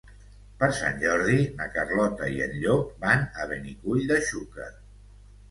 Per Sant Jordi na Carlota i en Llop van a Benicull de Xúquer.